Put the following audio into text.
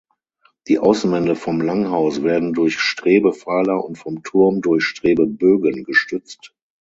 Die Außenwände vom Langhaus werden durch Strebepfeiler und vom Turm durch Strebebögen gestützt.